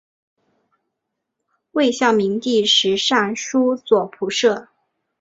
魏孝明帝时尚书左仆射。